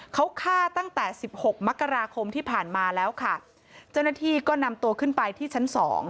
เขาฆ่าตั้งแต่สิบหกมกราคมที่ผ่านมาแล้วค่ะเจ้าหน้าที่ก็นำตัวขึ้นไปที่ชั้นสอง